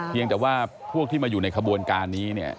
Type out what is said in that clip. เพียงแต่ว่าพวกที่มาอยู่ในขบวนการนี้เนี่ย